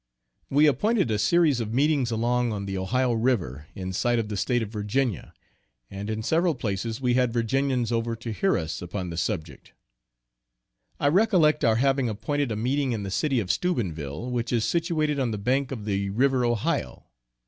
We appointed a series of meetings along on the Ohio River, in sight of the State of Virginia; and in several places we had Virginians over to hear us upon the subject. I recollect our having appointed a meeting in the city of Steubenville, which is situated on the bank of the river Ohio.